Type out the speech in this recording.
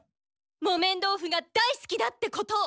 木綿豆腐が大すきだってことを！